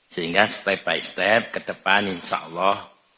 sehingga step by step ke depan insyaallah